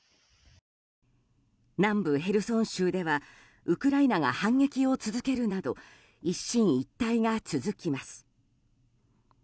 南部ヘルソン州ではウクライナが反撃を続けるなど一進一退が続きます。